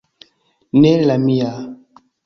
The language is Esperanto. Ne la mia...